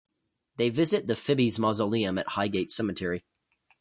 They visit the Phibes mausoleum at Highgate Cemetery.